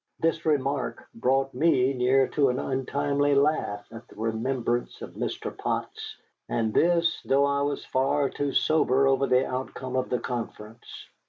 This remark brought me near to an untimely laugh at the remembrance of Mr. Potts, and this though I was far too sober over the outcome of the conference.